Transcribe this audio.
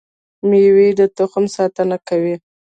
مېوه د تخم ساتنه کوي